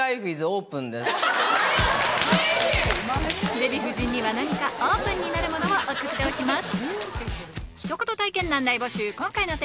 デヴィ夫人には何かオープンになるものを送っておきます